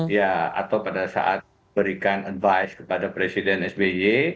ya atau pada saat berikan advice kepada presiden sby